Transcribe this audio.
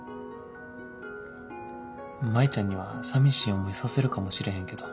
舞ちゃんにはさみしい思いさせるかもしれへんけど。